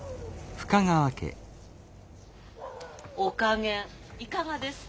お加減いかがですか？